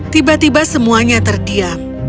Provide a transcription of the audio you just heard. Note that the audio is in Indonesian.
tiba tiba semuanya terdiam